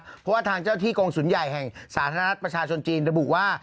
เพราะว่าทางเจ้าที่กรงศูนย์ใหญ่แห่งสาธารณะประชาชนจีนระบุว่า